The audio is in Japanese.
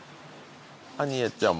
アニヤちゃんも。